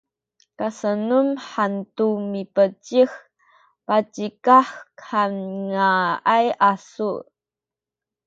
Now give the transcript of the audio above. kasenun hantu mipecih pacikah han ngaay asu’